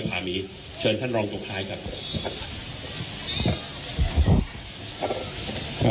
คุณผู้ชมไปฟังผู้ว่ารัฐกาลจังหวัดเชียงรายแถลงตอนนี้ค่ะ